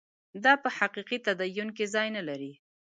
دا په حقیقي تدین کې ځای نه لري.